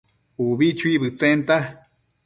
ubi chuibëdtsenta